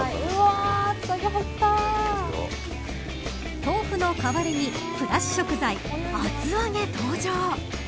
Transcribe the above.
豆腐の代わりにプラス食材厚揚げ登場。